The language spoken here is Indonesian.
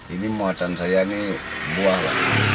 ini muatan saya ini buah pak